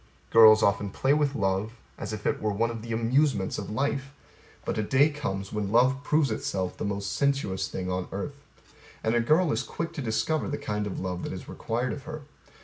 Girls often play with love as if it were one of the amusements of life; but a day comes when love proves itself the most sensuous thing on earth. And A girl is quick to discover the kind of love that is required of her.